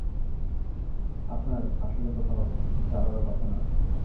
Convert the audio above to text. আপনার আসলে কোথাও যাবারও কথা না।